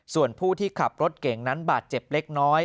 ส่วนผู้ที่ขับรถเก่งนั้นบาดเจ็บเล็กน้อย